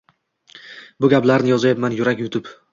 Bu gaplarni yozayapman yurak yutib.